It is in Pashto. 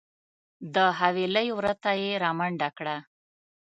د حویلۍ وره ته یې رامنډه کړه .